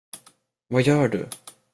Vad gör du?